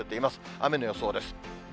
雨の予想です。